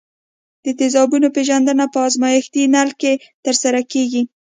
د تیزابونو پیژندنه په ازمیښتي نل کې ترسره کیږي.